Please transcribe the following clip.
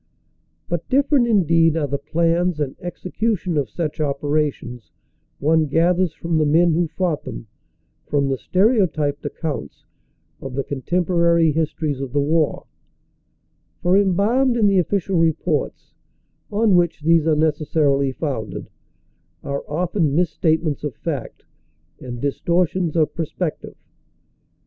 But different indeed are the plans and exe cution of such operations one gathers from the men who fought them from the stereotyped accounts of the contemporary his 196 CANADA S HUNDRED DAYS tones of the war ; for embalmed in the official reports, on which these are necessarily founded, are often misstatements of fact and distortions of perspective.